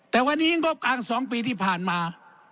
แต่วันนี้งบกลาง๒ปีที่ผ่านมา